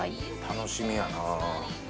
楽しみやなぁ。